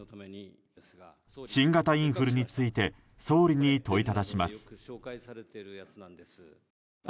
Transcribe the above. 新型インフルについて総理に問いただします。